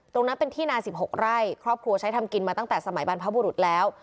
ตรงนั้นเป็นที่นา๑๖ไร่ครอบครัวใช้ทำกินมาตั้งแต่สมัยบรรพบุรุษแล้ว